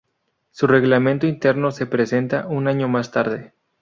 Su reglamento interno se presenta un año más tarde.